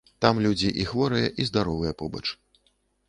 Там людзі і хворыя, і здаровыя побач.